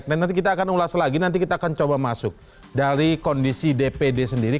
nah nanti kita akan ulas lagi nanti kita akan coba masuk dari kondisi dpd sendiri